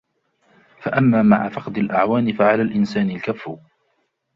فَأَمَّا مَعَ فَقْدِ الْأَعْوَانِ فَعَلَى الْإِنْسَانِ الْكَفُّ